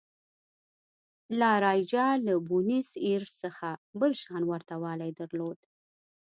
لا رایجا له بونیس ایرس څخه بل شان ورته والی درلود.